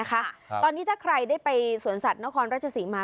ตอนนี้ถ้าใครได้ไปสวนสัตว์นครราชศรีมา